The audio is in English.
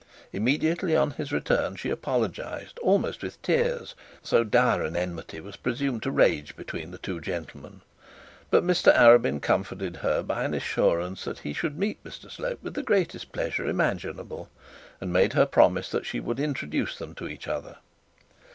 Immediately on his return she apologised, almost with tears, so dire an enmity was presumed to rage between the two gentlemen. But Mr Arabin comforted by an assurance that he should meet Mr Slope with the greatest pleasure imaginable, and made her promise that she would introduce them to each other.